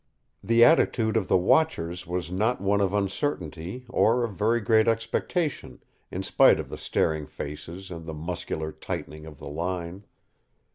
The attitude of the watchers was not one of uncertainty or of very great expectation, in spite of the staring faces and the muscular tightening of the line.